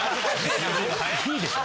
いいでしょ。